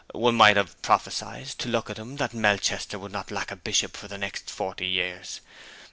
'One might have prophesied, to look at him, that Melchester would not lack a bishop for the next forty years.